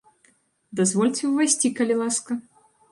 Дазвольце ўвайсці, калі ласка!